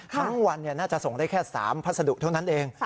วันน่าจะส่งได้แค่๓พัสดุเท่านั้นเอง